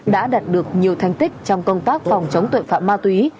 đã đạt được nhiều thành tích trong công tác phòng chống tội phạm ma túy